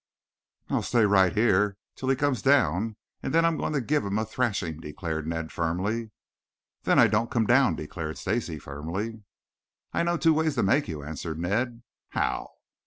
"I'll stay right here till he comes down and then I am going to give him a thrashing," declared Ned firmly. "Then I don't come down," declared Stacy firmly. "I know two ways to make you," answered Ned. "How?"